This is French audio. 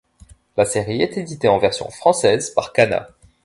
La série est éditée en version française par Kana.